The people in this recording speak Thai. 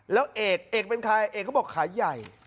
แล้วเอกเอกเป็นใครเอกเขาบอกขายใหญ่